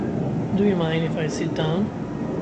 Do you mind if I sit down?